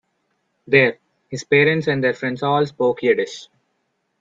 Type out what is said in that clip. There, his parents and their friends all spoke Yiddish.